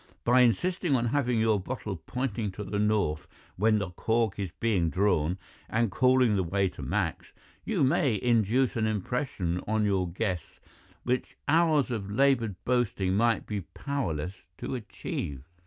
By insisting on having your bottle pointing to the north when the cork is being drawn, and calling the waiter Max, you may induce an impression on your guests which hours of laboured boasting might be powerless to achieve.